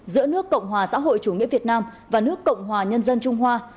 giữa nước cộng hòa xã hội chủ nghĩa việt nam và nước cộng hòa nhân dân trung hoa